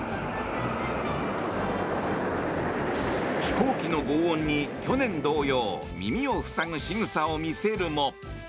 飛行機の轟音に去年同様耳を塞ぐしぐさを見せるも。